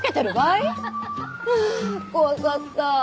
あぁ怖かった。